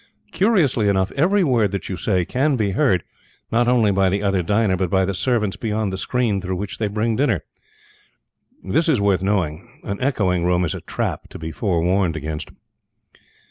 Curiously enough, every word that you say can be heard, not only by the other diner, but by the servants beyond the screen through which they bring dinner. This is worth knowing: an echoing room is a trap to be forewarned against.